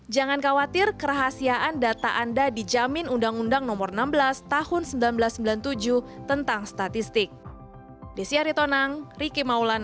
jangan khawatir kerahasiaan data anda dijamin undang undang nomor enam belas tahun seribu sembilan ratus sembilan puluh tujuh tentang statistik